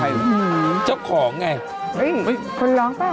มันติดคุกออกไปออกมาได้สองเดือน